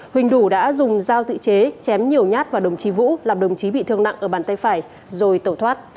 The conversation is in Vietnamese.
huỳnh đủ đã dùng dao tự chế chém nhiều nhát vào đồng chí vũ làm đồng chí bị thương nặng ở bàn tay phải rồi tẩu thoát